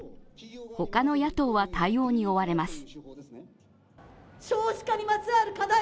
他の野党は対応に追われます。